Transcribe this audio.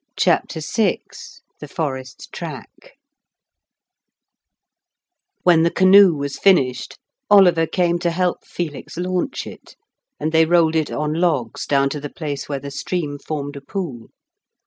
CHAPTER VI THE FOREST TRACK When the canoe was finished, Oliver came to help Felix launch it, and they rolled it on logs down to the place where the stream formed a pool.